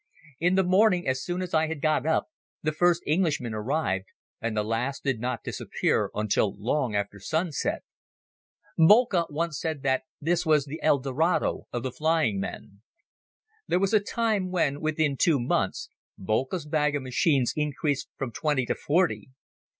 In the morning, as soon as I had got up, the first Englishmen arrived, and the last did not disappear until long after sunset. Boelcke once said that this was the El Dorado of the flying men. There was a time when, within two months, Boelcke's bag of machines increased from twenty to forty.